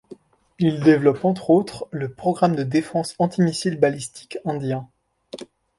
Il développe entre autres le programme de défense antimissile balistique indien.